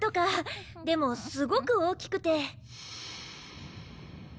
でもすごく大きくて。